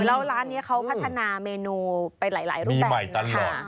แล้วร้านนี้เค้าพัฒนาเมนูเป็นหลายรูปแบบนั้น